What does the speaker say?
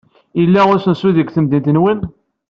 Yella usensu deg temdint-nwen?